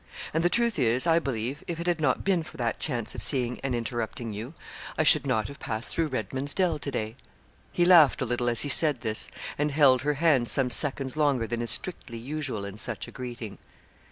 And the truth is, I believe, if it had not been for that chance of seeing and interrupting you, I should not have passed through Redman's Dell to day.' He laughed a little as he said this; and held her hands some seconds longer than is strictly usual in such a greeting.